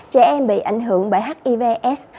trẻ em bị ảnh hưởng bởi hivs